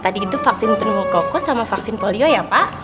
nah tadi itu vaksin penuh kokus sama vaksin polio ya pak